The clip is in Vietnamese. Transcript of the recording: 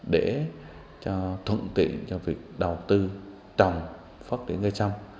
để cho thuận tiện cho việc đầu tư trồng phát triển cây sâm